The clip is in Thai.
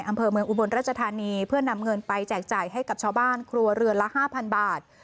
อำเภอเมืองอุบลรัชธานีเพื่อนำเงินไปแจกจ่ายให้กับชาวบ้านครัวเรือนละห้าพันบาท